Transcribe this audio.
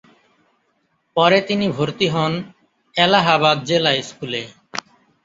পরে তিনি ভর্তি হন এলাহাবাদ জেলা স্কুলে।